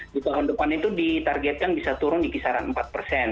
di tahun depan itu ditargetkan bisa turun di kisaran empat persen